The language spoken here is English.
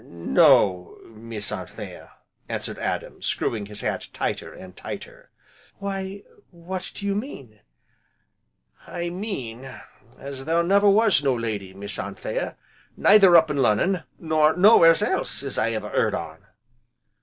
"No, Miss Anthea," answered Adam, screwing his hat tighter, and tighter. "Why what do you mean?" "I mean as there never was no lady, Miss Anthea, neither up to Lonnon, nor nowhere's else, as I ever heard on."